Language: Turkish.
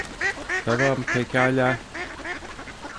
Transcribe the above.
Tamam, pekâlâ.